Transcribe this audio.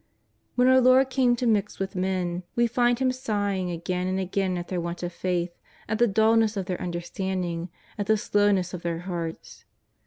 When our Lord came to mix with men, we find Him sighing again and again at their want of faith, at the dullness of their understanding, at the slowness of their hearts.